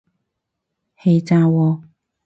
氣炸鍋